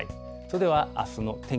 それではあすの天気